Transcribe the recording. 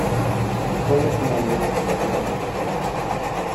Ich komme zu meinem letzten Punkt.